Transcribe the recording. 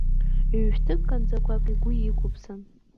Ҩ-шәҭы канӡақәак игәы иқәыԥсан.